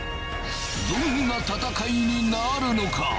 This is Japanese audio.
どんな戦いになるのか？